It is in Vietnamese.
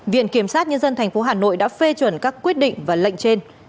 viện kiểm sát nhân dân tp hà nội đã phê chuẩn các quyết định và lệnh trên